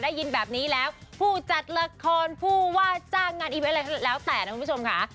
ได้ยินแบบนี้แล้วผู้จัดละครผู้ว่าจ้างงานอีเวนต์อะไรแล้วแต่นะคุณผู้ชมค่ะ